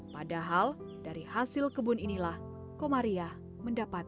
padahal dari hasil kebun inilah komariah mendapatkan